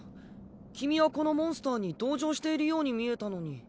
君はこのモンスターに同情しているように見えたのに。